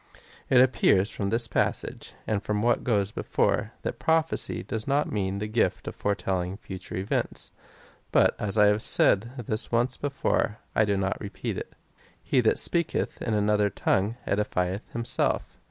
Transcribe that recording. It appears from this passage, and from what goes before, that prophecy does not mean the gift of foretelling future events : but as I have said this once before,^ I do not repeat it. 4. He that speaketh in another tongue, edifieth himself.